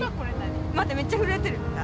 待ってめっちゃ震えてる。